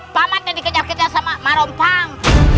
paman yang dikejar kejar sama marompang